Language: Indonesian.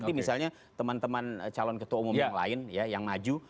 nanti misalnya teman teman calon ketua umum yang lain ya yang maju